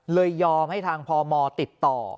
ยอมให้ทางพมติดต่อ